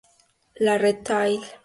Le Retail